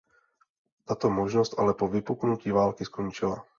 Tato možnost ale po vypuknutí války skončila.